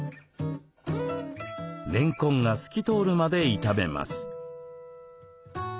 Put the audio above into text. れんこんが透き通るまで炒めます。